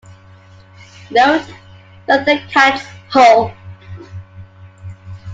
Note: ThunderCats Ho!